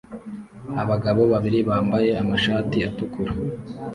Abagabo babiri bambaye amashati atukura